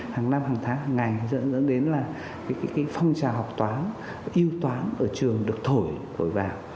hàng năm hàng tháng hàng ngày dẫn đến là phong trào học toán yêu toán ở trường được thổi vào